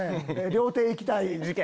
料亭行きたい事件。